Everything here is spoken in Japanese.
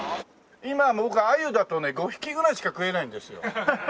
今僕アユだとね５匹ぐらいしか食えないんですよ。